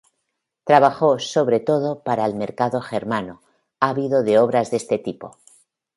Trabajó sobre todo para el mercado germano, ávido de obras de este tipo.